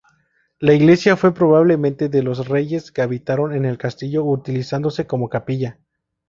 La iglesia fue probablemente de los reyes que habitaron el castillo, utilizándose como capilla.